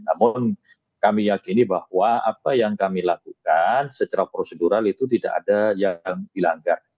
namun kami yakini bahwa apa yang kami lakukan secara prosedural itu tidak ada yang dilanggar